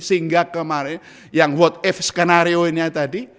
sehingga kemarin yang what if skenario ini tadi